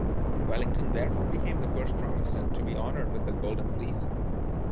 Wellington therefore became the first Protestant to be honoured with the Golden Fleece.